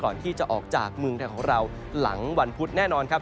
ก่อนที่จะออกจากเมืองไทยของเราหลังวันพุธแน่นอนครับ